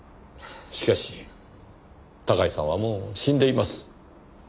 しかし高井さんはもう死んでいます。